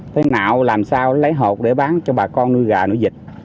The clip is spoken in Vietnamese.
thế nào làm sao lấy hộp để bán cho bà con nuôi gà nữa dịch